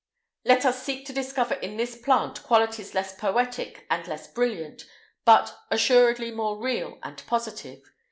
[IX 200] Let us seek to discover in this plant qualities less poetic and less brilliant, but, assuredly, more real and positive.